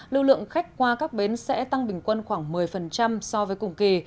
lưu lượng khách qua các bến sẽ tăng bình quân khoảng một mươi so với cùng kỳ